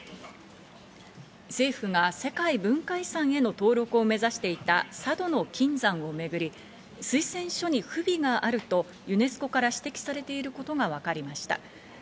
政府が世界文化遺産への登録を目指していた、佐渡島の金山をめぐり、推薦書に不備があるとユネスコから指摘されていることがわかりました。